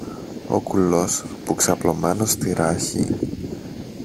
Ο κουλός, που ξαπλωμένος στη ράχη